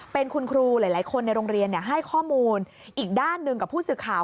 เป็นคุณครูหลายคนในโรงเรียนให้ข้อมูลอีกด้านหนึ่งกับผู้สื่อข่าว